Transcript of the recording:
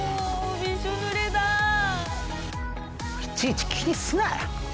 いちいち気にすなよ。